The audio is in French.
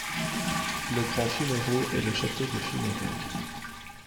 Le Grand Fumerault est le château de Fumerault.